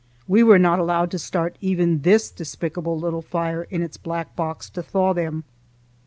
We were not allowed to start even this despicable little fire in its black box to thaw them.